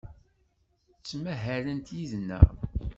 Ttmahalent yid-neɣ.